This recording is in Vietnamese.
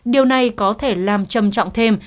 điều này có thể làm trầm trọng thêm